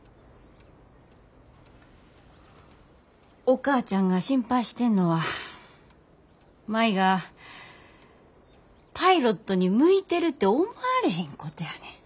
お母ちゃんが心配してんのは舞がパイロットに向いてるて思われへんことやねん。